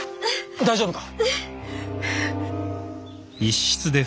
大丈夫か？